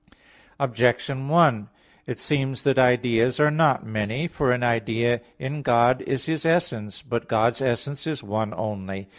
Objection 1: It seems that ideas are not many. For an idea in God is His essence. But God's essence is one only.